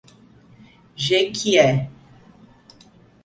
Jequié